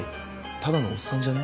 ただのおっさんじゃね？